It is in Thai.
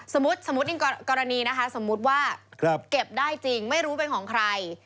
สมมุติอย่างกรณีนะคะสมมุติว่าเก็บได้จริงไม่รู้เป็นของใคร